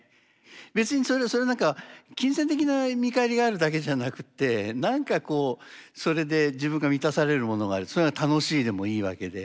別にそれ何か金銭的な見返りがあるだけじゃなくて何かこうそれで自分が満たされるものがあるそれが楽しいでもいいわけで。